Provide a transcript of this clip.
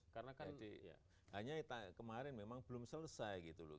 karena kan hanya kemarin memang belum selesai gitu loh